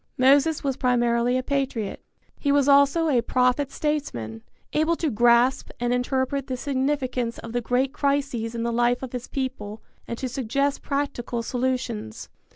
Moses was primarily a patriot. He was also a prophet statesman, able to grasp and interpret the significance of the great crises in the life of his people and to suggest practical solutions.